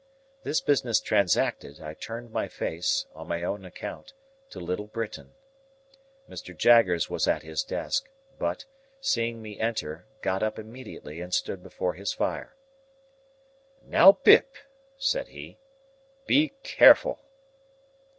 This business transacted, I turned my face, on my own account, to Little Britain. Mr. Jaggers was at his desk, but, seeing me enter, got up immediately and stood before his fire. "Now, Pip," said he, "be careful."